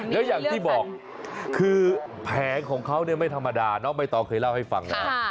แล้วอย่างที่บอกคือแผงของเขาไม่ธรรมดาน้องใบตองเคยเล่าให้ฟังแล้ว